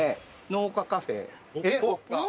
農家カフェ。